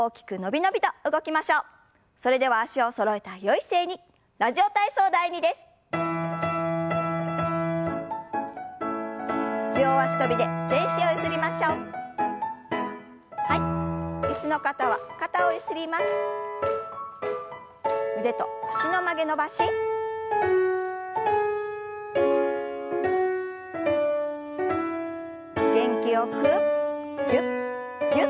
元気よくぎゅっぎゅっと。